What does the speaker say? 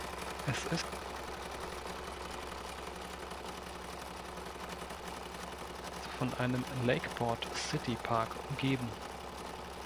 Es ist von einem Lakeport City Park umgeben.